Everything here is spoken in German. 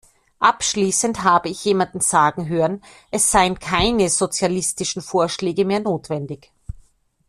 Abschließend habe ich jemanden sagen hören, es seien keine sozialistischen Vorschläge mehr notwendig.